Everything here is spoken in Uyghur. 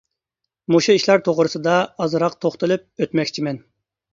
مۇشۇ ئىشلار توغرىسىدا ئازراق توختىلىپ ئۆتمەكچىمەن.